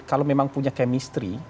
kalau memang punya chemistry